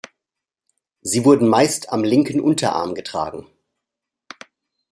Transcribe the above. Sie wurden meist am linken Unterarm getragen.